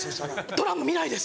ドラマ見ないです！